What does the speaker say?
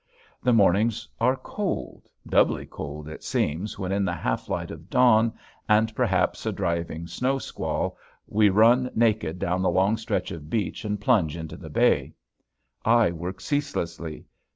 The mornings are cold, doubly cold it seems when in the half light of dawn and perhaps a driving snow squall we run naked down the long stretch of beach and plunge into the bay. I work ceaselessly.